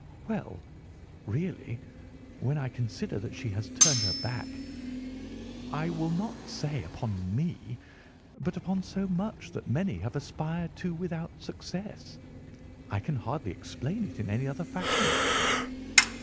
"Well, really, when I consider that she has turned her back—I will not say upon me, but upon so much that many have aspired to without success—I can hardly explain it in any other fashion."